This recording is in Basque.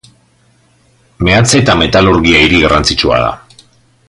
Meatze eta metalurgia hiri garrantzitsua da.